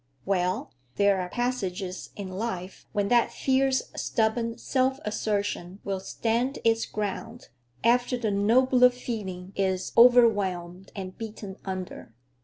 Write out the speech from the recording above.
Well, there are passages in life when that fierce, stubborn self assertion will stand its ground after the nobler feeling is overwhelmed and beaten under.